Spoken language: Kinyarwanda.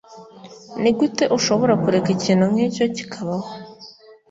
Nigute ushobora kureka ikintu nkicyo kibaho